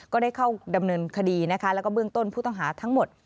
ก็ได้เข้าดำเนินคดีนะคะแล้วก็เบื้องต้นผู้ต้องหาทั้งหมด